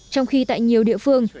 trong khi tại nhiều địa phương